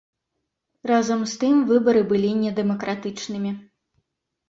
Разам з тым, выбары былі недэмакратычнымі.